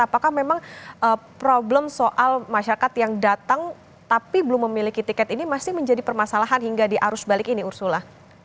apakah memang problem soal masyarakat yang datang tapi belum memiliki tiket ini masih menjadi permasalahan hingga di arus balik ini ursula